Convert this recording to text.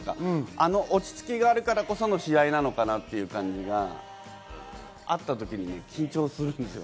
あの落ち着きがあるからこその試合なのかなというのが会ったときに緊張するんですよ。